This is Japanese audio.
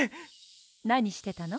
なにしてたの？